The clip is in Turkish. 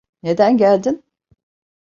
Neden geldin?